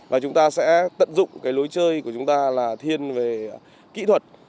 và chúng ta sẽ tận dụng cái lối chơi của chúng ta là thiên về kỹ thuật